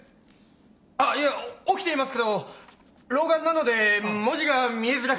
あっいや起きていますけど老眼なので文字が見えづらくて。